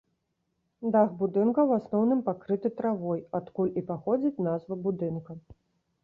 Дах будынка ў асноўным пакрыты травой, адкуль і паходзіць назва будынка.